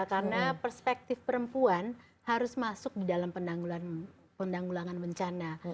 karena perspektif perempuan harus masuk dalam penanggulangan bencana